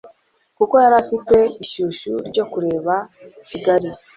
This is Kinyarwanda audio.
kuko yari afite ishyushyu ryo kureba Kigali